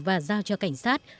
và giao cho cảnh sát